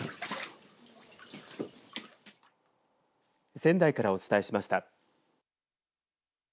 仙台からお伝えしました。